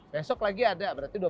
besok lagi ada berarti dua puluh juta